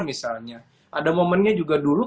misalnya ada momennya juga dulu